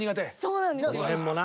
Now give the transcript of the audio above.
［この辺もな］